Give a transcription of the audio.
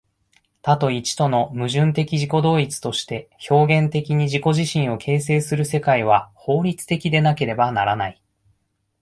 多と一との矛盾的自己同一として表現的に自己自身を形成する世界は、法律的でなければならない。